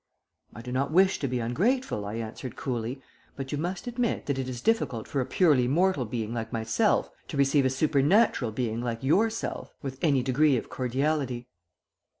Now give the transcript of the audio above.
"'I do not wish to be ungrateful,' I answered coolly, 'but you must admit that it is difficult for a purely mortal being like myself to receive a supernatural being like yourself with any degree of cordiality.'